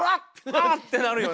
あぁっ！ってなるよね。